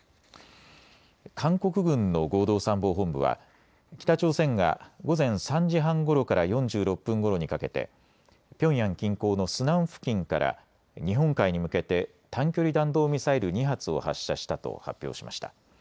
韓国軍の合同参謀本部は北朝鮮が午前３時半ごろから４６分ごろにかけてピョンヤン近郊のスナン付近から日本海に向けて短距離弾道ミサイル２発を発射したと発表しました。